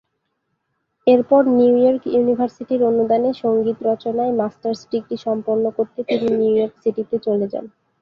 এরপর নিউইয়র্ক ইউনিভার্সিটির অনুদানে সঙ্গীত রচনায় মাস্টার্স ডিগ্রী সম্পন্ন করতে তিনি নিউইয়র্ক সিটিতে চলে যান।